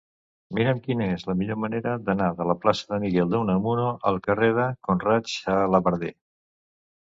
Mira'm quina és la millor manera d'anar de la plaça de Miguel de Unamuno al carrer de Conrad Xalabarder.